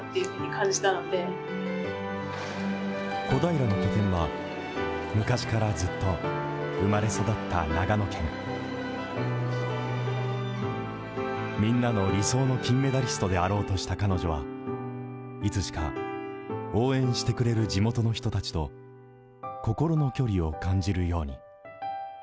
小平の拠点は昔からずっと生まれ育った長野県みんなの理想の金メダリストであろうとした彼女は、いつしか応援してくれる地元の人たちと心の距離を感じるように。